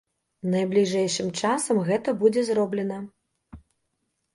Найбліжэйшым часам гэта будзе зроблена.